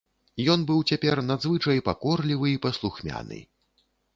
Ён быў цяпер надзвычай пакорлівы і паслухмяны.